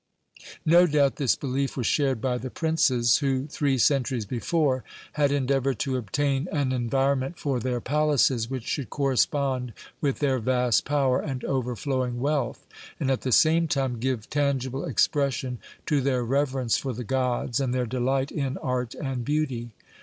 No doubt this belief was shared by the princes who, three centuries before, had endeavoured to obtain an environment for their palaces which should correspond with their vast power and overflowing wealth, and at the same time give tangible expression to their reverence for the gods and their delight in art and beauty.